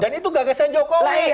dan itu gagasan jokowi